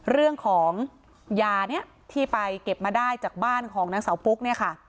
เรื่องของยาเนี่ยที่ไปเก็บมาได้จากบ้านของนางสาวปุ๊กเนี่ยค่ะ